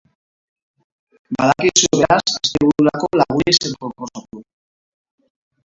Badakizue, beraz, astebururako lagunei zer proposatu.